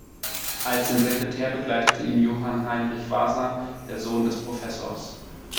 Als sein Sekretär begleitete ihn Johann Heinrich Waser, der Sohn des Professors.